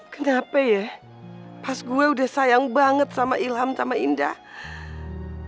kenapa ya pas gue udah sayang banget sama ilham sama indah